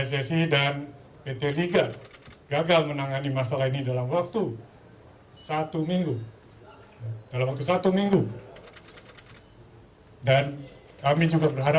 sejumlah kasus terupa sebelumnya terjadi